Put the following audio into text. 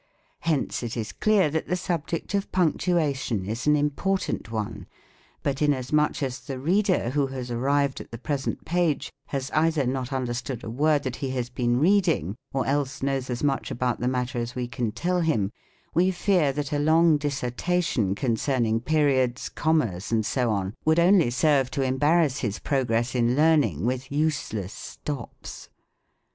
Hence it is clear that the subject of Punctuation is an impor tant one : but inasmuch as the reader, who has arrived at the present page, has either not understood a word that he has been reading, or else knows as much about the matter as we can tell him, we fear that a long dis sertation concerning periods, commas, and so on, would only serve to embarrass his progress in learning with useless stops.